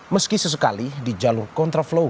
meski sesekali di jalur contra flow